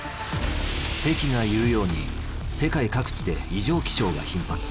関が言うように世界各地で異常気象が頻発。